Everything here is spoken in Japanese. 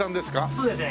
そうですね。